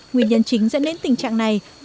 nguyên nhân chính dẫn đến tình trạng này